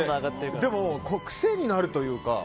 でも癖になるというか。